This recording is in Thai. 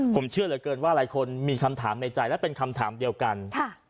ผมเชื่อเหลือเกินว่าหลายคนมีคำถามในใจและเป็นคำถามเดียวกัน